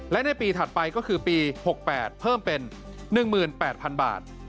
และในปีถัดไปก็คือปี๖๘เพิ่มเป็น๑๘๐๐๐บาท